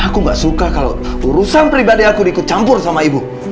aku gak suka kalau urusan pribadi aku ikut campur sama ibu